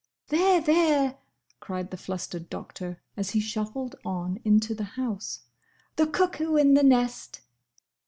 "There, there!" cried the flustered Doctor, as he shuffled on into the house, "the cuckoo in the nest!"